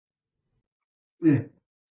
早寝早起きは大事です